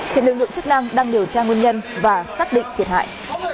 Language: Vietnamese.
hiện lực lượng chức năng đang điều tra nguyên nhân và xác định thiệt hại